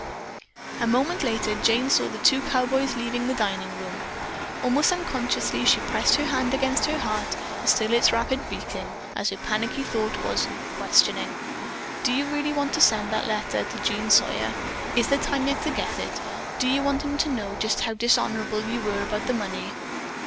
A moment later Jane saw the two cowboys leave the dining room. Almost unconsciously she pressed her hand against her heart to still its rapid beating as her panicky thought was questioning: "Do you really want to send that letter to Jean Sawyer? There is yet time to get it. Do you want him to know just how dishonorable you were about the money?"